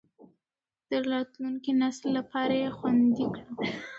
د راتلونکي نسل لپاره یې خوندي کړو.